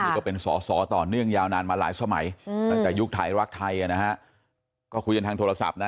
นี่ก็เป็นสอสอต่อเนื่องยาวนานมาหลายสมัยตั้งแต่ยุคไทยรักไทยนะฮะก็คุยกันทางโทรศัพท์นะ